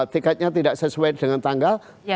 tiketnya tidak sesuai dengan tanggal